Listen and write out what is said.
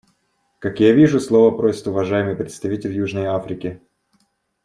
Как я вижу, слова просит уважаемый представитель Южной Африки.